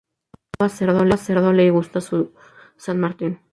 A cada cerdo le llega su San Martín